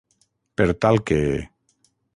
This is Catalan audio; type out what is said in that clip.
Per tal que.